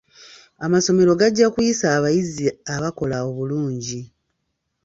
Amasomero gajja kuyisa abayizi abakola obulungi.